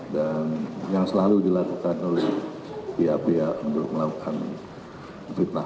dan yang selalu dilakukan oleh pihak pihak untuk melakukan fitnah